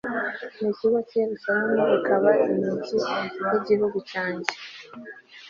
n'ikigo kiri i yeruzalemu, ikaba imigi y'igihugu cyanjye